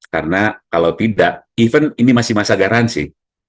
karena kalau tidak even ini masih masa garansi